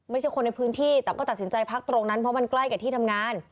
ไม่ใช่คนในพื้นที่แต่ก็ตัดสินใจพักตรงนั้นเพราะมันใกล้กับที่ทำงาน